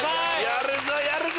やるぞやるぞ！